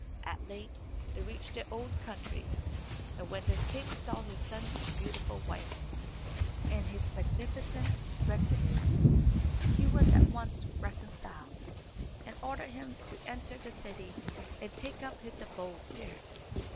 At length they reached their own country, and when the king saw his son's beautiful wife and his magnificent retinue he was at once reconciled, and ordered him to enter the city and take up his abode there.